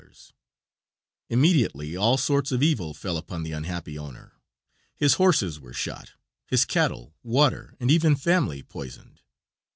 Immediately all sorts of evil fell upon the unhappy owner. His horses were shot, his cattle, water, and even family poisoned.